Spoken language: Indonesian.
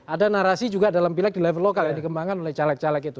ada narasi juga dalam pileg di level lokal yang dikembangkan oleh caleg caleg itu